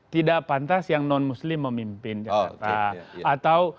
tidak pantas yang non muslim memimpin jakarta